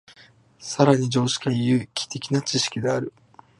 更に常識は有機的な知識である。